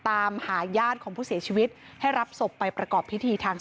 ตามหาญาติของผู้เสียชีวิตให้รับศพไปประกอบพิธีทาง